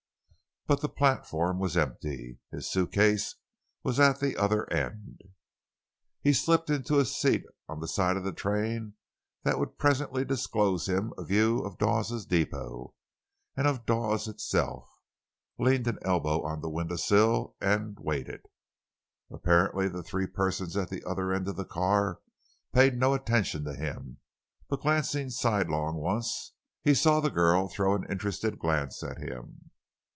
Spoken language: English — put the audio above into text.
But the platform was empty—his suitcase was at the other end. He slipped into a seat on the side of the train that would presently disclose to him a view of Dawes's depot, and of Dawes itself, leaned an elbow on the window sill, and waited. Apparently the three persons at the other end of the car paid no attention to him, but glancing sidelong once he saw the girl throw an interested glance at him.